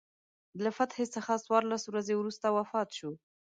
له فتحې څخه څوارلس ورځې وروسته وفات شو.